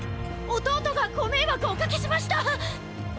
弟がご迷惑おかけしました！！